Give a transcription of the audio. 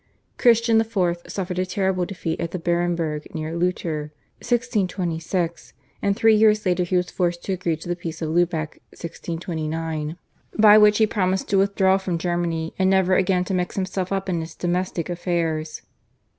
Christian IV. suffered a terrible defeat at the Barenberg near Lutter (1626), and three years later he was forced to agree to the Peace of Lubeck (1629), by which he promised to withdraw from Germany and never again to mix himself up in its domestic affairs.